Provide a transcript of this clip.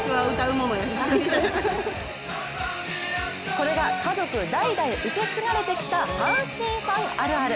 これが家族代々受け継がれてきた、阪神ファンあるある。